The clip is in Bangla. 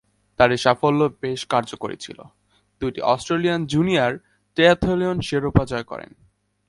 তাঁর এ সাফল্য বেশ কার্যকরী ছিল। দুইটি অস্ট্রেলিয়ান জুনিয়র ট্রায়াথলন শিরোপা জয় করেন।